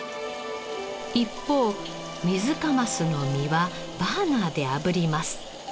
一方ミズカマスの身はバーナーであぶります。